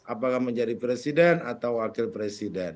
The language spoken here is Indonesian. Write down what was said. apakah menjadi presiden atau wakil presiden